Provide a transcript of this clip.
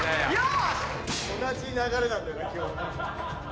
同じ流れなんだよな基本。